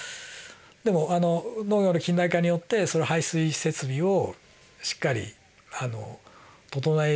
でも農業の近代化によってその排水設備をしっかり整えるようになった。